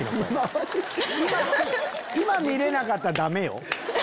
今見れなかったらダメよ。